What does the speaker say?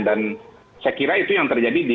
dan saya kira itu yang terjadi di dua ribu sembilan belas